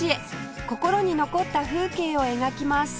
心に残った風景を描きます